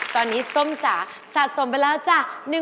ตอนนี้ส้มจ๋าสะสมไปแล้วจ้ะ